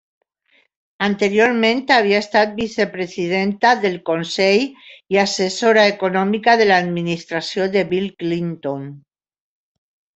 Anteriorment havia estat vicepresidenta del consell i assessora econòmica de l'administració de Bill Clinton.